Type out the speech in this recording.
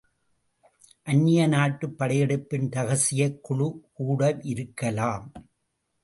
அந்நிய நாட்டுப் படையெடுப்பின் ரகசியக் குழு கூடவிருக்கலாம்.